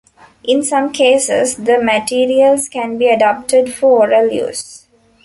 In some cases, the materials can be adapted for oral use.